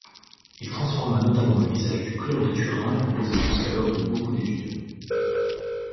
Il transforma notamment le visage du club de Turin, composé jusqu'alors de beaucoup d'étudiants.